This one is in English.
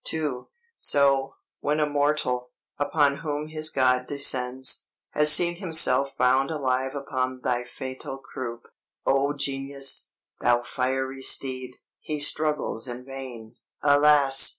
II "So, when a mortal, upon whom his god descends, has seen himself bound alive upon thy fatal croup, O Genius, thou fiery steed, he struggles in vain, alas!